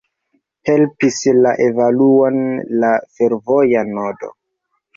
Helpis la evoluon la fervoja nodo.